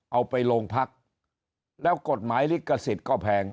เอาไปโรงพักแล้วกฎหมายลิขสิทธิ์ก็แพง